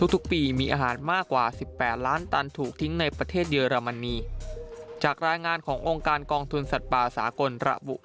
ทุกปีมีอาหารทันมากกว่า๑๘ล้านตันทุก่ว่าที่ทิ้งมาจากรายยงานของโรงการกองทุนศัตรูสากลแบบว่า